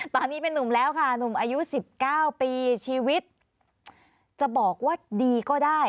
ตอนนี้เป็นนุ่มแล้วค่ะหนุ่มอายุ๑๙ปีชีวิตจะบอกว่าดีก็ได้